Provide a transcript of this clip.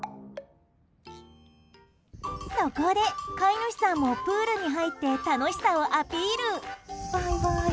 そこで飼い主さんもプールに入って楽しさをアピール！